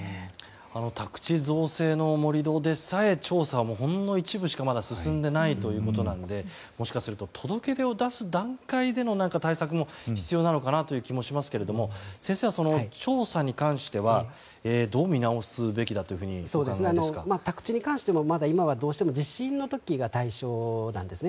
宅地造成の盛り土でさえ調査もほんの一部でしか進んでいないということなのでもしかすると届け出を出す段階での対策も必要なのかなという気もしますが先生は、その調査に関してはどう見直すべきだと宅地に関しても、まだ今はどうしても地震の時が対象なんですよね。